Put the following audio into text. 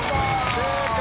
正解！